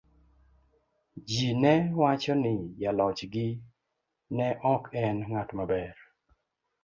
Ji ne wacho ni jalochgi ne ok en ng'at maber.